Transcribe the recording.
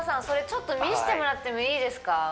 それちょっと見せてもらってもいいですか？